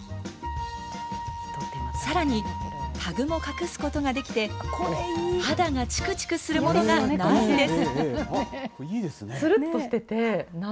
さらにタグも隠すことができて肌がちくちくするものがないんです。